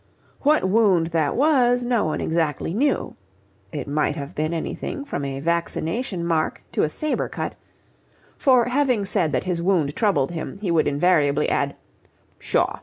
What wound that was no one exactly knew (it might have been anything from a vaccination mark to a sabre cut), for having said that his wound troubled him, he would invariably add: "Pshaw!